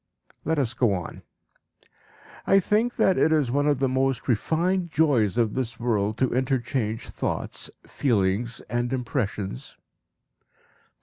Let us go on.) "I think that it is one of the most refined joys of this world to interchange thoughts, feelings, and impressions."